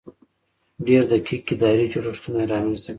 ډېر دقیق اداري جوړښتونه یې رامنځته کړل.